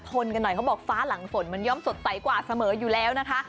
ทนกันหน่อยเขาบอกฟ้าหลังฝนมันย่อมสดใสกว่าเสมออยู่แล้วนะคะ